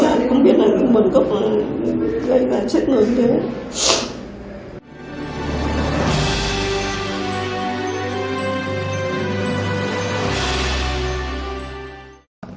anh không biết là mình có gây ra sức người như thế